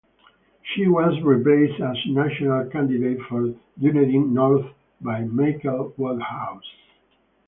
She was replaced as National candidate for Dunedin North by Michael Woodhouse.